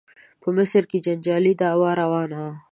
په مصر کې جنجالي دعوا روانه وه.